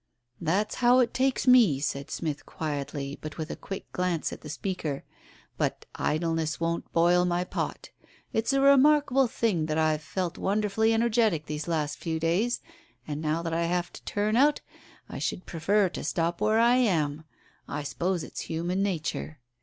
"That's how it takes me," said Smith quietly, but with a quick glance at the speaker. "But idleness won't boil my pot. It's a remarkable thing that I've felt wonderfully energetic these last few days, and now that I have to turn out I should prefer to stop where I am. I s'pose it's human nature."